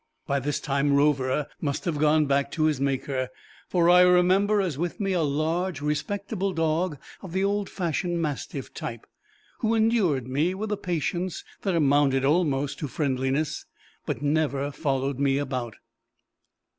By this time Rover must have gone back to his maker, for I remember as with me a large, respectable dog of the old fashioned mastiff type, who endured me with a patience that amounted almost to friendliness, but never followed me about.